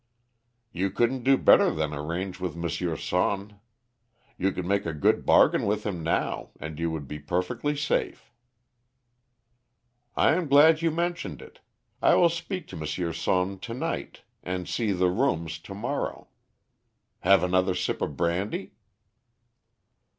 "You couldn't do better than arrange with M. Sonne. You could make a good bargain with him now, and you would be perfectly safe." "I am glad that you mentioned it; I will speak to M. Sonne to night, and see the rooms to morrow. Have another sip of brandy?"